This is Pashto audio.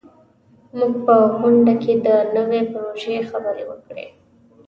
موږ په غونډه کې د نوي پروژې خبرې وکړې.